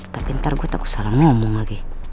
tapi ntar gue takut salah mau ngomong lagi